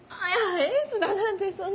エースだなんてそんな。